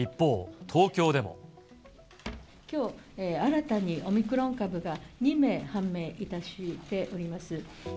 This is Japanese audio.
きょう、新たにオミクロン株が２名判明いたしております。